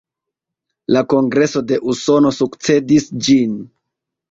La Kongreso de Usono sukcedis ĝin.